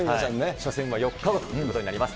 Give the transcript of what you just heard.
初戦は４日後ということになります。